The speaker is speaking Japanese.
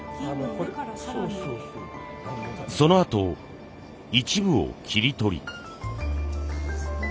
そのあと一部を切り取り。